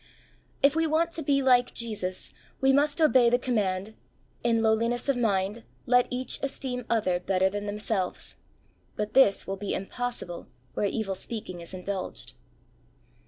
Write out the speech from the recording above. If we want to be like Jesus, we must obey the command, " In lowliness of mind let each esteem other better than themselves," but this will be impossible where evil speaking is indulged.